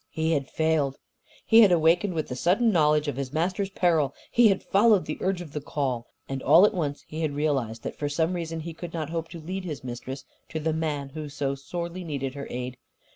He had failed. He had awakened with the sudden knowledge of his master's peril. He had followed the urge of the call. And all at once he had realised that for some reason he could not hope to lead his mistress to the man who so sorely needed her aid.